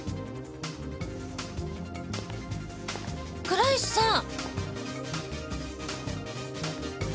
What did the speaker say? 倉石さん。